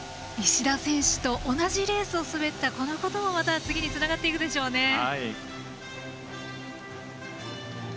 石田選手と同じレースを滑った、このこともまた次につながっていくでしょうね。